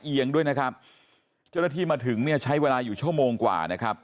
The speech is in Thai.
เอียงด้วยนะครับเจ้าหน้าที่มาถึงเนี่ยใช้เวลาอยู่ชั่วโมงกว่านะครับ